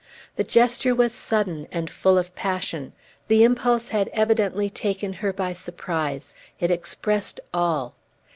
The gesture was sudden, and full of passion; the impulse had evidently taken her by surprise; it expressed all!